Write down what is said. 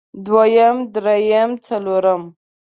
دويم درېيم څلورم